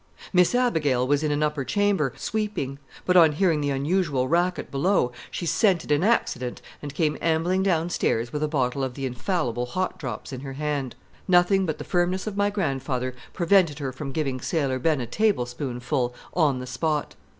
Miss Abigail was in an upper chamber, sweeping; but on hearing the unusual racket below, she scented an accident and came ambling downstairs with a bottle of the infallible hot drops in her hand. Nothing but the firmness of my grandfather prevented her from giving Sailor Ben a table spoonful on the spot.